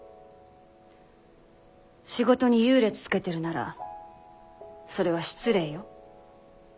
仕事に優劣つけてるならそれは失礼よ。